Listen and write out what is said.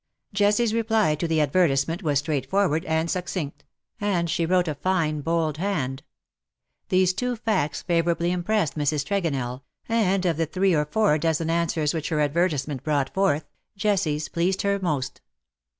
Jessie's reply to the advertisement was straight forward and succinct, and she wrote a fine bold hand. These two facts favourably impressed Mrs. Tregonell, and of the three or four dozen answers which her advertisement brought forth, Jessie's pleased her the most.